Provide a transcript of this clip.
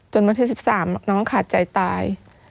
จนเมื่อที่๑๓น้องอะขาดใจตาย